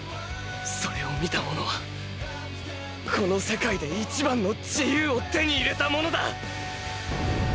それを見た者はこの世界で一番の自由を手に入れた者だ